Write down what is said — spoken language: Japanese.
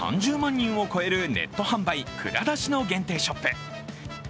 人を超えるネット販売Ｋｕｒａｄａｓｈｉの限定ショップ。